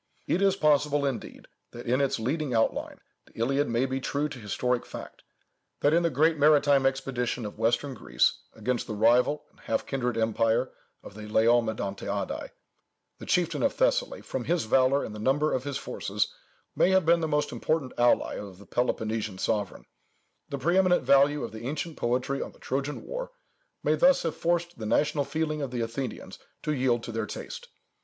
It is possible, indeed, that in its leading outline, the Iliad may be true to historic fact, that in the great maritime expedition of western Greece against the rival and half kindred empire of the Laomedontiadæ, the chieftain of Thessaly, from his valour and the number of his forces, may have been the most important ally of the Peloponnesian sovereign; the preeminent value of the ancient poetry on the Trojan war may thus have forced the national feeling of the Athenians to yield to their taste.